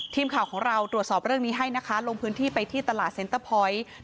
ทีมข่าวของเราตรวจสอบเรื่องนี้ให้นะคะลงพื้นที่ไปที่ตลาดเซ็นเตอร์พอยต์